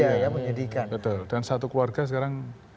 yang menyedihkan betul dan satu keluarga sekarang